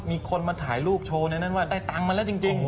มีคนมาถ่ายรูปโชว์ในนั้นว่าได้ตังค์มาแล้วจริง